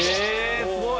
すごい。